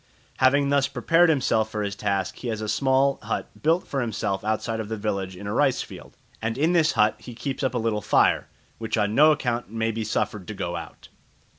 Having thus prepared himself for his task he has a small hut built for himself outside of the village in a rice field, and in this hut he keeps up a little fire, which on no account may be suffered to go out.